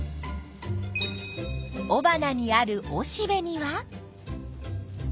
おばなにあるおしべには。